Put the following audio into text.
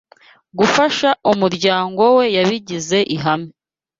gufasha umuryango we yabigize ihame